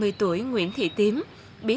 biết được tâm nguyện của nhân dân long đức